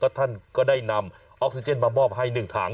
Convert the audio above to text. ก็ก็ได้นำออกซิเจนมามอบให้หนึ่งถัง